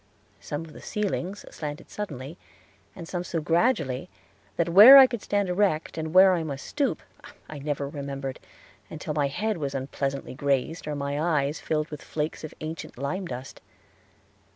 Some of the ceilings slanted suddenly, and some so gradually that where I could stand erect, and where I must stoop, I never remembered, until my head was unpleasantly grazed, or my eyes filled with flakes of ancient lime dust.